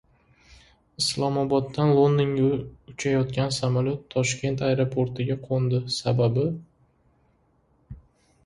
Islomoboddan Londonga uchayotgan samolyot Toshkent aeroportiga qo‘ndi. Sababi...